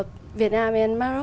liên kết giữa hnu và hnu